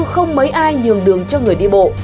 không mấy ai nhường đường cho người đi bộ